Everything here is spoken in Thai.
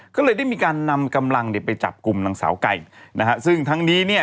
ก็เลยได้มีการนำกำลังเนี่ยไปจับกลุ่มนางสาวไก่นะฮะซึ่งทั้งนี้เนี่ย